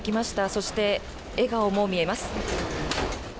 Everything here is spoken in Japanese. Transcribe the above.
そして、笑顔も見えます。